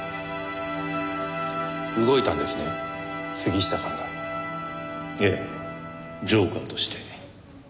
動いたんですね杉下さんが。ええジョーカーとして。